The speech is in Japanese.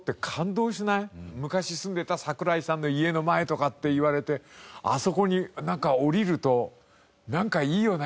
昔住んでた桜井さんの家の前とかって言われてあそこに降りるとなんかいいよね。